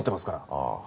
ああ。